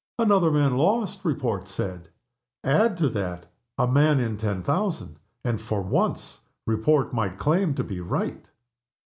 Another man lost, Report said. Add to that, a man in ten thousand and, for once, Report might claim to be right.